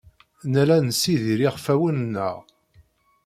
Nella nessidir iɣfawen-nneɣ.